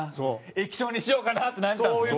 液晶にしようかな？」って悩んでたんです。